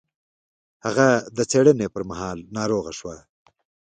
هغې د څېړنې پر مهال ناروغه شوه.